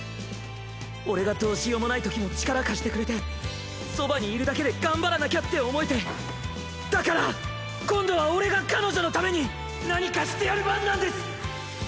俺がどうしようもないときも力貸してくれてそばにいるだけで頑張らなきゃって思えてだから今度は俺が彼女のために何かしてやる番なんです！